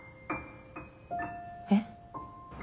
えっ？